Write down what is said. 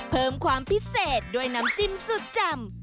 เพิ่มความพิเศษด้วยน้ำจิ้มสุดแจ่ม